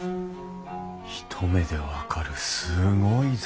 一目で分かるすごい座敷だ。